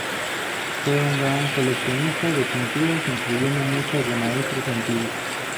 Fue una gran coleccionista de pinturas, incluyendo muchas de Maestros Antiguos.